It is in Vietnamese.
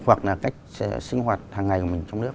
hoặc là cách sinh hoạt hàng ngày của mình trong nước